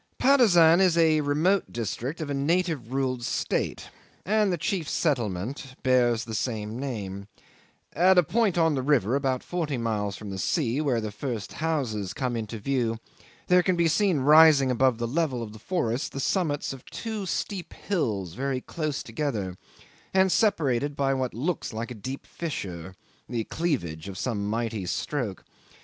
'Patusan is a remote district of a native ruled state, and the chief settlement bears the same name. At a point on the river about forty miles from the sea, where the first houses come into view, there can be seen rising above the level of the forests the summits of two steep hills very close together, and separated by what looks like a deep fissure, the cleavage of some mighty stroke.